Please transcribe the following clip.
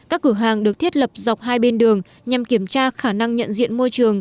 các cửa hàng được thiết lập dọc hai bên đường nhằm kiểm tra khả năng nhận diện môi trường